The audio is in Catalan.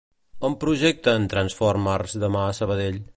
On projecten "Transformers" demà a Sabadell?